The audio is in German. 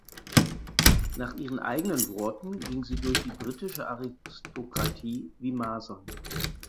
Nach ihren eigenen Worten ging sie durch die britische Aristokratie „wie Masern“.